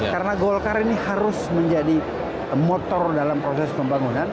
karena golkar ini harus menjadi motor dalam proses pembangunan